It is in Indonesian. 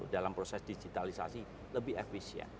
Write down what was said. dalam proses digitalisasi lebih efisien